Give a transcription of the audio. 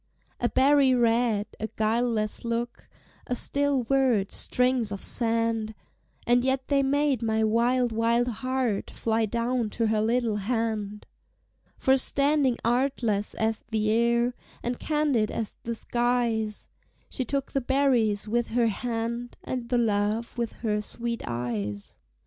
A berry red, a guileless look, A still word, strings of sand! And yet they made my wild, wild heart Fly down to her little hand. For standing artless as the air, And candid as the skies, She took the berries with her hand, And the love with her sweet eyes.